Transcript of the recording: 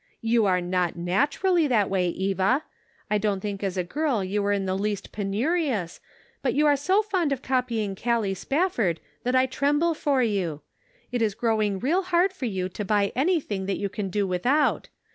You are not naturally that way, Eva ; I don't think as a girl you were in the least penurious, but you are so fond of copying Callie Spafford that I tremble for you. It is growing real hard for you to buy anything that you can do without.